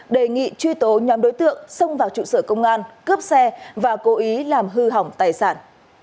đề nghị truy tố nhóm đối tượng xông vào trụ sở công an cướp xe và cố ý làm hư hỏng tài sản